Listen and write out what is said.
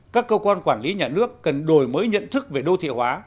các cơ quan quản lý nhà nước cần đổi mới nhận thức về đô thị hóa